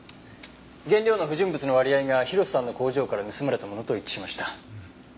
原料の不純物の割合が広瀬さんの工場から盗まれたものと一致しました。